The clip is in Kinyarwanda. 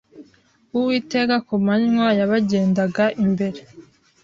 Uwiteka kumanywa yabagendaga imbere